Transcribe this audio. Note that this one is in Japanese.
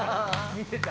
見てた。